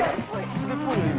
「素手っぽいよ今」